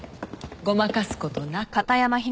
ごまかす事なく。